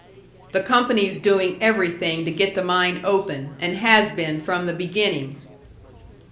"The company's doing everything to get the mine open, and has been from the beginning."